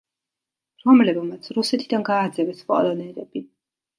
რომლებმაც რუსეთიდან გააძევეს პოლონელები.